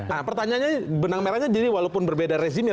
nah pertanyaannya benang merahnya jadi walaupun berbeda rezimnya